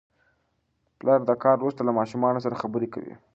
پلر د کار وروسته له ماشومانو سره خبرې کوي